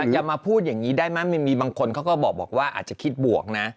จะมาพูดอย่างนี้ได้ไหมมีบางคนเขาก็บอกว่าอาจจะคิดบวกนะ